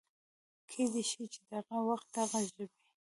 کېدی شي چې دغه وخت دغه ژبې